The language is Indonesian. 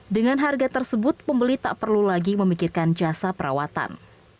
dengan harga tersebut pembeli tak perlu lagi memikirkan jasa perawatan